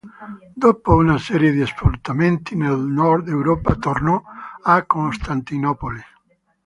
Dopo una serie di spostamenti nel Nord Europa tornò a Costantinopoli.